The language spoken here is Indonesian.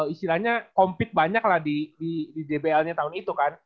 istilahnya compete banyak lah di dbl nya tahun itu kan